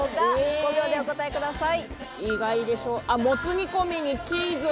５秒でお答えください。